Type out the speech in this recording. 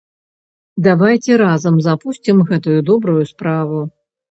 Давайце разам запусцім гэтую добрую справу.